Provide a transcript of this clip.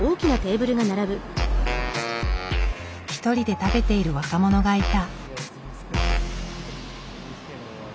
一人で食べている若者がいた。